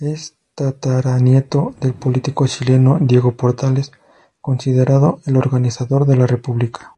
Es tataranieto del político chileno Diego Portales, considerado el organizador de la República.